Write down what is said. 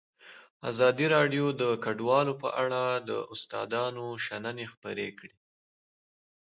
ازادي راډیو د کډوال په اړه د استادانو شننې خپرې کړي.